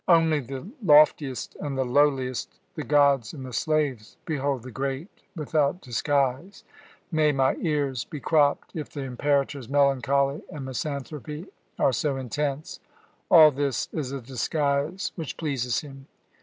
Only the loftiest and the lowliest, the gods and the slaves, behold the great without disguise. May my ears be cropped if the Imperator's melancholy and misanthropy are so intense! All this is a disguise which pleases him.